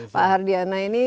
pak hardiana ini